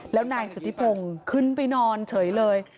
แล้วนายสุธิพงศ์ขึ้นไปนอนเฉยเลย